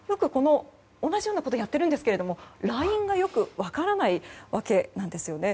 同じようなことをやっているんですがラインがよく分からないわけなんですよね。